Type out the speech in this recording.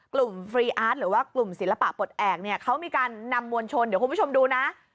ฟรีอาร์ตหรือว่ากลุ่มศิลปะปลดแอบเนี่ยเขามีการนำมวลชนเดี๋ยวคุณผู้ชมดูนะ